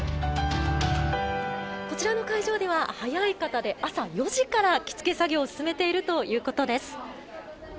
こちらの会場では早い方で朝４時から着付け作業を進めているということです。